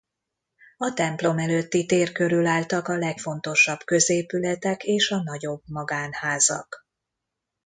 A templom előtti tér körül álltak a legfontosabb középületek és a nagyobb magánházak.